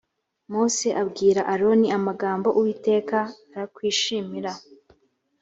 mose abwira aroni amagambo uwiteka arakwishimira